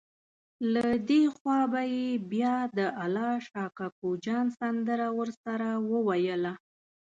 له دې خوا به یې بیا د الله شا کوکو جان سندره ورسره وویله.